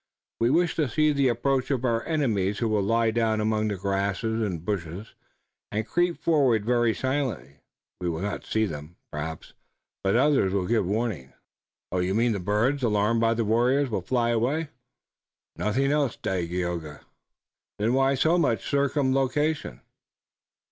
We wish to see the approach of our enemies who will lie down among the grass and bushes, and creep forward very silently. We will not see them, perhaps, but others will give warning." "Oh, you mean that the birds, alarmed by the warriors, will fly away?" "Nothing else, Dagaeoga." "Then why so much circumlocution?"